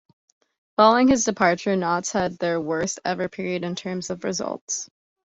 Following his departure, Notts had their worst-ever period in terms of results.